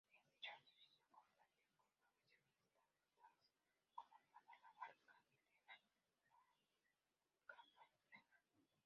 En dicha asociación compartió con profesionales tan notables como Amanda Labarca y Elena Caffarena.